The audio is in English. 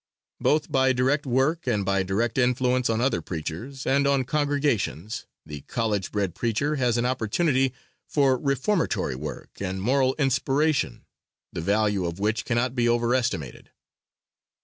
Both by direct work and by direct influence on other preachers, and on congregations, the college bred preacher has an opportunity for reformatory work and moral inspiration, the value of which cannot be overestimated.